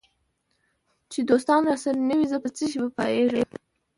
چي دوستان راسره نه وي زه په څشي به پایېږم